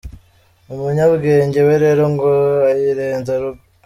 Umunyabwenge we rero ngo ayirenza urugo.